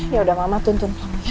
yaudah mama tuntun kamu ya